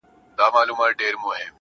• نو زه له تاسره.